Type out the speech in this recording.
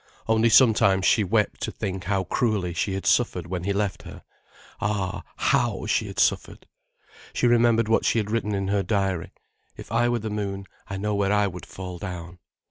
Only sometimes she wept to think how cruelly she had suffered when he left her—ah, how she had suffered! She remembered what she had written in her diary: "If I were the moon, I know where I would fall down."